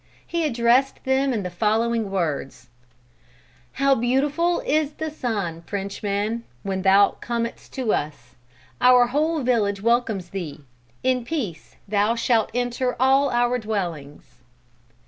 He addressed them in the following words: "How beautiful is the sun, Frenchman, when thou comest to visit us. Our whole village welcomes thee. In peace thou shalt enter all our dwellings."